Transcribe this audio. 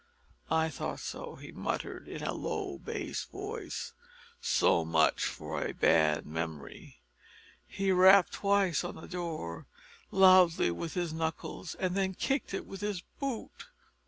"I thought so," he muttered in a low bass voice; "so much for a bad memory." He rapped twice on the door, loudly, with his knuckles and then kicked it with his boot.